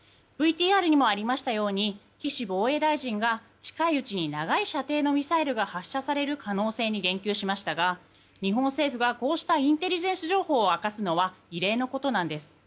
ＶＴＲにもありましたように岸防衛大臣が近いうちに長い射程のミサイルが発射される可能性に言及しましたが日本政府がこうしたインテリジェンス情報を明かすのは異例のことなんです。